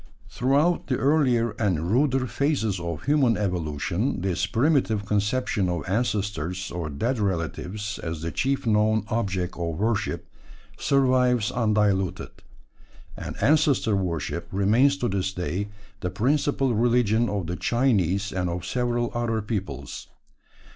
Throughout the earlier and ruder phases of human evolution this primitive conception of ancestors or dead relatives as the chief known object of worship survives undiluted; and ancestor worship remains to this day the principal religion of the Chinese and of several other peoples.